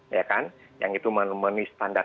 ya kan yang itu menemani standar